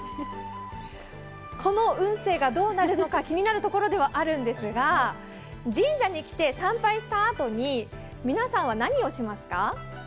この運勢がどうなるのか気になるところではあるんですが、神社に来て、参拝したあとに皆さんは何をしますか？